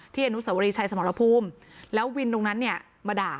อนุสวรีชัยสมรภูมิแล้ววินตรงนั้นเนี่ยมาด่า